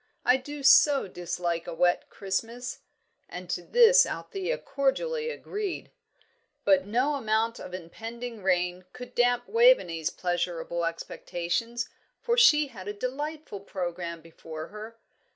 I do so dislike a wet Christmas." And to this Althea cordially agreed. But no amount of impending rain could damp Waveney's pleasurable expectations, for she had a delightful programme before her.